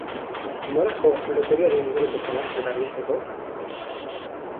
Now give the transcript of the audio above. Nora jo loteriaren inguruko zalantzak argitzeko?